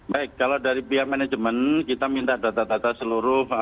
baik kalau dari pihak manajemen kita minta data data seluruh